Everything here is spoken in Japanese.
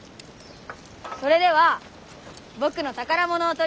それでは僕の宝物を取り出します。